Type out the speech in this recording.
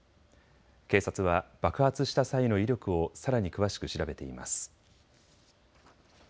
警察は爆発した際の威力をさらに詳しく調べています。